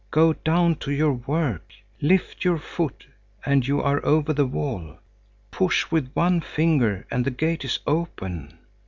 Go down to your work! Lift your foot and you are over the wall; push with one finger and the gate is open."